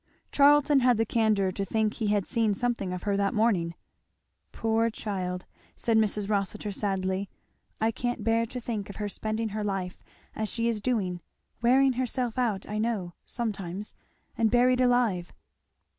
Charlton had the candour to think he had seen something of her that morning. "Poor child!" said Mrs. Rossitur sadly, "I can't bear to think of her spending her life as she is doing wearing herself out, I know, sometimes and buried alive."